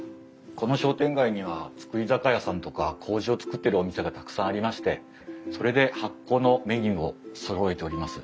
この商店街には造り酒屋さんとかこうじを造ってるお店がたくさんありましてそれで発酵のメニューをそろえております。